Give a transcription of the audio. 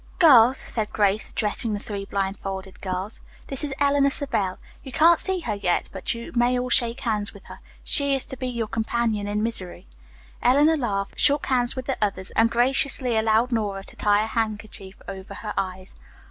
"Girls," said Grace, addressing the three blindfolded girls, "this is Eleanor Savell. You can't see her yet, but you may all shake hands with her. She is to be your companion in misery." Eleanor laughed, shook hands with the others and graciously allowed Nora to tie a handkerchief over her eyes.